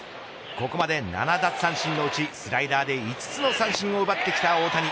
ここまで７奪三振のうちスライダーで５つの三振を奪ってきた大谷。